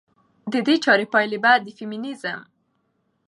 د دې چارې پايلې به د فيمينزم